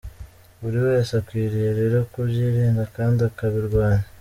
Buri wese akwiriye rero kubyirinda kandi akabirwanya ."